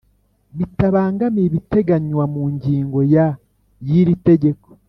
Bitabangamiye ibiteganywa mu ngingo ya y iri tegeko